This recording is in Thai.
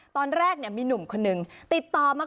ตอนแรกมีหนุ่มคนนึงติดต่อมา